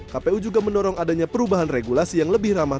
kpu juga mendorong adanya perubahan regulasi yang lebih ramah